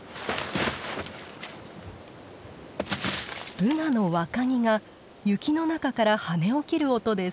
ブナの若木が雪の中から跳ね起きる音です。